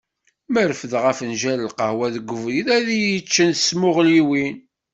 Ma refdeɣ afenǧal n lqahwa deg ubrid ad iyi-d-ččen s tmuɣliwin.